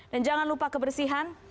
dan jangan lupa kebersihan